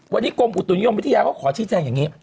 วันนี้กรมอุตุนิยมวิทยาเขาขอชี้แจงอย่างนี้